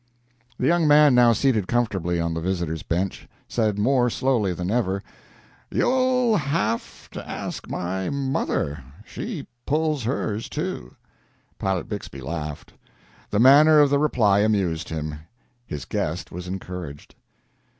The young man, now seated comfortably on the visitors' bench, said more slowly than ever: "You'll have to ask my mother she pulls hers, too." Pilot Bixby laughed. The manner of the reply amused him. His guest was encouraged.